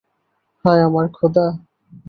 হায় আমার খোদা!